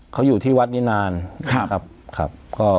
เขาอยู่ที่วัดนี้นานครับ